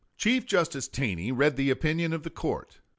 Chief Justice Taney read the opinion of the court.